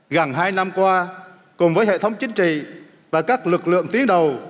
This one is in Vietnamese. gần hai năm qua cùng với hệ thống chính trị và các lực lượng tiến đầu